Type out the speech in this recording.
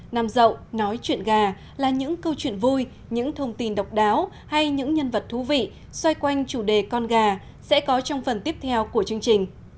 nằm dậu nói chuyện gà là những câu chuyện vui những thông tin độc đáo hay những nhân vật thú vị xoay quanh chủ đề con gà sẽ có trong phần tiếp theo của chương trình